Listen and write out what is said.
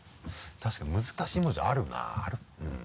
確かに難しい文字あるなあるうん。